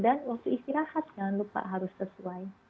dan waktu istirahat jangan lupa harus sesuai